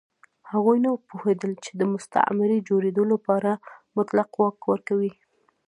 هغوی نه پوهېدل چې د مستعمرې جوړېدو لپاره مطلق واک ورکوي.